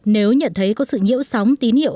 nếu nhận thấy có sự nhiễu sóng tín hiệu